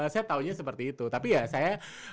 saya tahunya seperti itu tapi ya saya